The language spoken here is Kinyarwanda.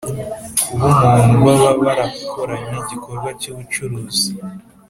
kuba umuntu baba barakoranye igikorwa cy’ubucuruzi